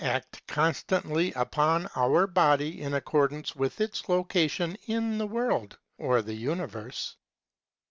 act constantly upon our body in accordance with its location in the world, or the universe.